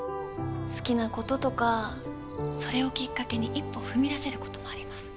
好きなこととかそれをきっかけに一歩踏み出せることもあります。